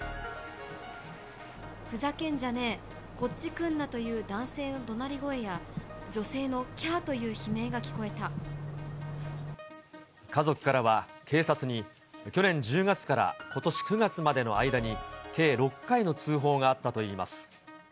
ふざけんじゃねえ、こっち来んなという男性のどなり声や女性のきゃーという悲鳴が聞家族からは、警察に去年１０月からことし９月までの間に、計６回の通報があったといいます。